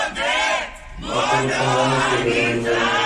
Los ojos son grandes y redondeados.